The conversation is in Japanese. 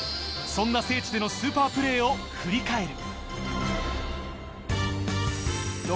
そんな聖地でのスーパープレーを振り返る。